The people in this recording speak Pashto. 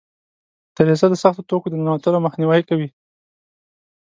دریڅه د سختو توکو د ننوتلو مخنیوی کوي.